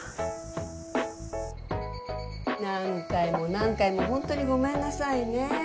何回も何回もホントにごめんなさいね。